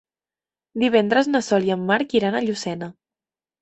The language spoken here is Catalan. Divendres na Sol i en Marc iran a Llucena.